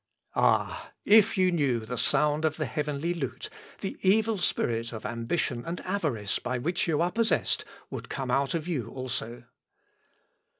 ... Ah! if you knew the sound of the heavenly lute, the evil spirit of ambition and avarice by which you are possessed would come out of you also."